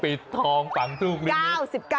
ปิดทองฝังลูกนิมิต